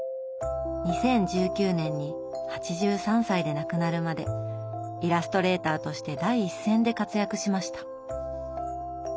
２０１９年に８３歳で亡くなるまでイラストレーターとして第一線で活躍しました。